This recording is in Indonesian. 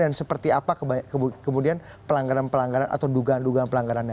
dan seperti apa kemudian pelanggaran pelanggaran atau dugaan dugaan pelanggarannya